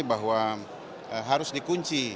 bahwa harus dikunci